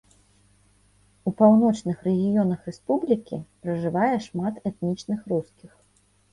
У паўночных рэгіёнах рэспублікі пражывае шмат этнічных рускіх.